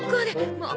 もう。